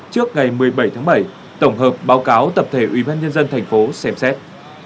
trước ngày một mươi bảy tháng bảy tổng hợp báo cáo tập thể ủy ban nhân dân tp xem xét